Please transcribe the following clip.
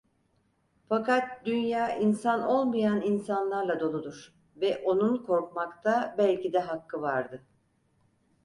Fakat dünya insan olmayan insanlarla doludur ve onun korkmakta belki de hakkı vardı.